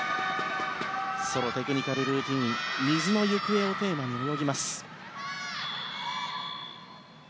ソロテクニカルルーティン水のゆくえをテーマに泳ぎます。